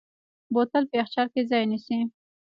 بوتل په یخچال کې ځای نیسي.